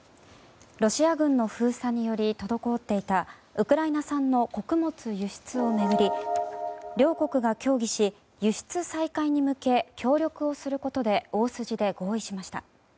ロシア軍の封鎖により滞っていたウクライナ産の穀物輸出を巡り、両国が協議し輸出再開に向け協力をすることで大筋で合意しました。